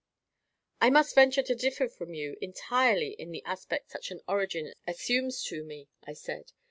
"I must venture to differ from you entirely in the aspect such an origin assumes to me," I said.